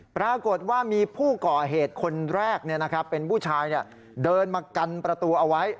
ปรากฏว่ามีผู้ก่อเหตุคนแรกเป็นผู้ชายเดินมากันประตูเอาไว้